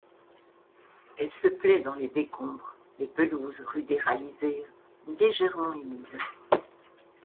Elle se plaît dans les décombres, les pelouses rudéralisées légèrement humides.